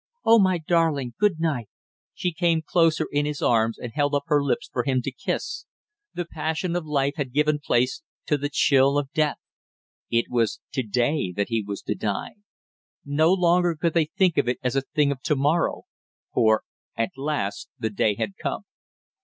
"Oh, my darling good night " She came closer in his arms, and held up her lips for him to kiss. The passion of life had given place to the chill of death. It was to day that he was to die! No longer could they think of it as a thing of to morrow, for at last the day had come.